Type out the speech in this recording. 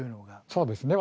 そうですね。